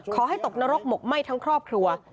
ขอให้ตกนรกหมกไหม้ทั้งครอบครัว